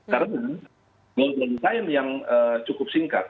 karena mengurangi time yang cukup singkat